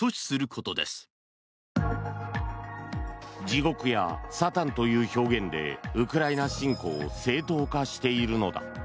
地獄やサタンという表現でウクライナ侵攻を正当化しているのだ。